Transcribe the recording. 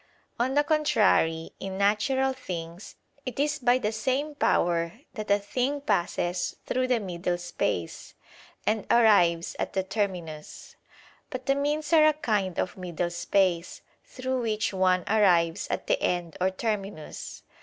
On the contrary, In natural things, it is by the same power that a thing passes through the middle space, and arrives at the terminus. But the means are a kind of middle space, through which one arrives at the end or terminus.